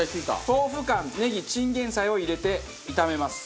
豆腐干ネギチンゲン菜を入れて炒めます。